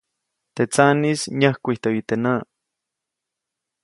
Teʼ tsaʼnis nyäjkwijtäyu teʼ näʼ.